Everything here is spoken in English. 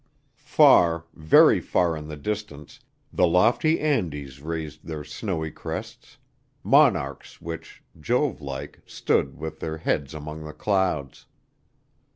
Far, very far in the distance the lofty Andes raised their snowy crests monarchs which, Jove like, stood with their heads among the clouds.